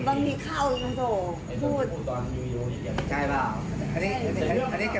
คุณผู้ชมค่ะดูน่าสงสารมากเลย